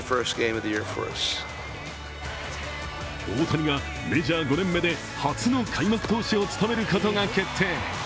大谷がメジャー５年目で初の開幕投手を務めることが決定。